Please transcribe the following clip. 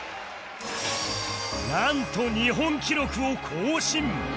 なんと日本記録を更新！